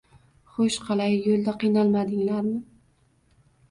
Xo`sh, qalay, yo`lda qiynalmadinglar-mi